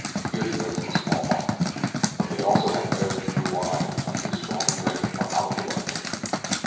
Here he read from a small Bible, "`But they also have erred through wine, and through strong drink are out of the way.'"